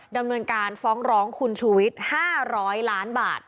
ดำเนินการฟ้องร้องคุณชูวิทย์๕๐๐ล้านบาท